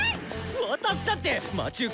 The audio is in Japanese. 私だって魔ち受け